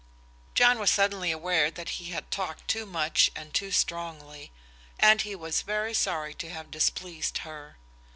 John was suddenly aware that he had talked too much and too strongly, and he was very sorry to have displeased her.